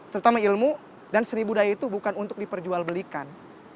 terutama ilmu dan seni budaya itu bukan untuk diperjualbelikan